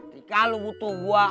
jika lu butuh gue